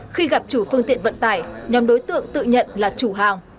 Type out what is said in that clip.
khi gặp chủ phương tiện vận tải nhóm đối tượng tự nhận là chủ hàng